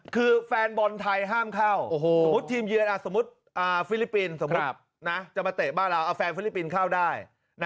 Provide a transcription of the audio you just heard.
คือแฟนบอลไทยห้ามเข้าสมมุติฟิลิปปินส์จะมาเตะบ้างแล้วเอาแฟนฟิลิปปินส์เข้าได้